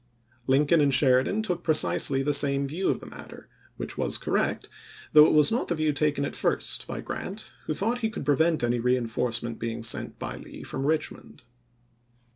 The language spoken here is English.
Lincoln and Sheridan took precisely the same view of the matter, which was correct, though it was not the view taken at first by Grant, who thought he could prevent any reenforcement being sent by Lee from Richmond.